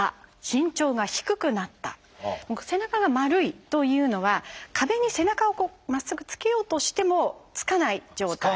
背中が丸いというのは壁に背中をまっすぐつけようとしてもつかない状態。